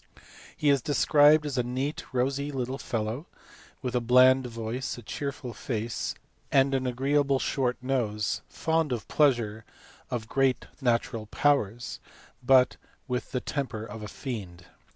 He is described as " a neat rosy little fellow, with a bland voice, a cheerful face, and an agreeable short nose, fond of pleasure, of great natural powers " but " with the temper of a fiend."